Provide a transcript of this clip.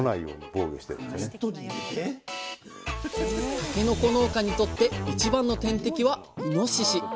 たけのこ農家にとって一番の天敵はイノシシ。